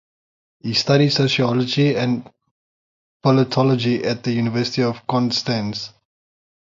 He studied sociology and politology at the University of Konstanz.